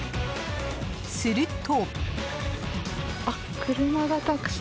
すると。